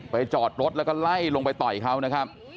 จอดรถแล้วก็ไล่ลงไปต่อยเขานะครับ